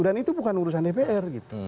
dan itu bukan urusan dpr gitu